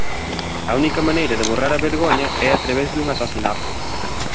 A única maneira de borrar a vergoña é a través dun asasinato.